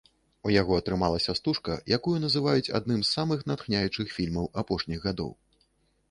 У яго атрымалася стужка, якую называюць адным з самых натхняючых фільмаў апошніх гадоў.